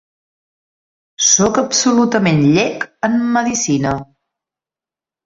Soc absolutament llec en medicina.